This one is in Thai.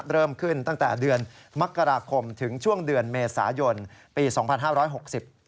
เริ่มขึ้นตั้งแต่เดือนมกราคมถึงช่วงเดือนเมษายนปี๒๕๖๐